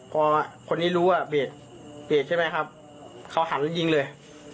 พอคนนี้รู้ว่าเบรกเบรกใช่ไหมครับเขาหันแล้วยิงเลย